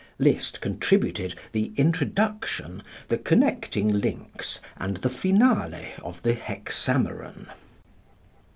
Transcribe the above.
Liszt contributed the introduction, the connecting links and the finale of the "Hexameron."